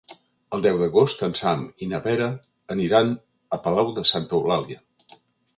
El deu d'agost en Sam i na Vera aniran a Palau de Santa Eulàlia.